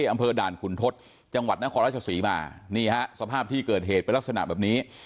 อำเภอด่านขุนทศจังหวัดนครราชศรีมานี่ฮะสภาพที่เกิดเหตุเป็นลักษณะแบบนี้